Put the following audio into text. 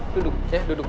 duduk ya duduk